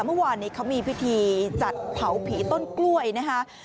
เมื่อวานนี้เขามีพิธีจัดเผาผีต้นกล้วยนะคะ